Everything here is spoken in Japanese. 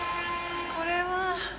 これは。